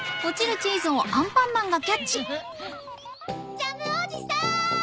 ジャムおじさん！